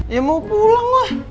ya mau pulang wah